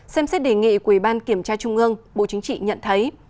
xem xét đề nghị của ủy ban kiểm tra trung ương bộ chính trị nhận thấy